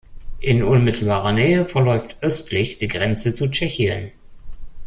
In unmittelbarer Nähe verläuft östlich die Grenze zu Tschechien.